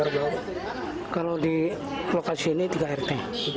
kalau di lokasi ini tiga rt